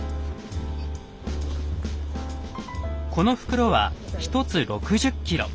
この袋は１つ６０ｋｇ。